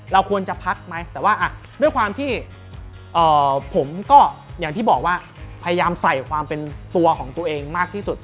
เราควรจะพักไหมแต่ว่าด้วยความที่ผมก็อย่างที่บอกว่าพยายามใส่ความเป็นตัวของตัวเองมากที่สุด